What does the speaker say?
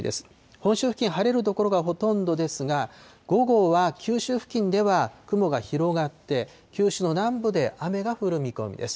本州付近、晴れる所がほとんどですが、午後は九州付近では雲が広がって、九州の南部で雨が降る見込みです。